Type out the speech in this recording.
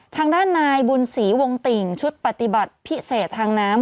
ทางด้านนายบุญศรีวงติ่งชุดปฏิบัติพิเศษทางน้ำ